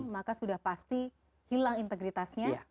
maka sudah pasti hilang integritasnya